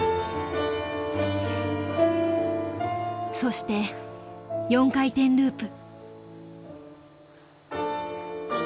そして４回転ループ。